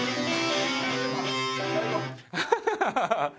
ハハハハ。